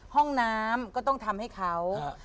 ห้องน้ำก็ต้องทำให้เขา